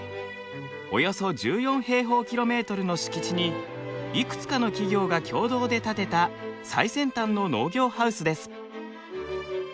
およそ１４平方ｋｍの敷地にいくつかの企業が共同で建てた最先端の農業ハウスです。